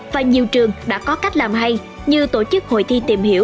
và nhiều trường đã có cách làm hay như tổ chức hội thi tìm hiểu